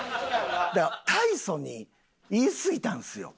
だから大層に言いすぎたんですよ。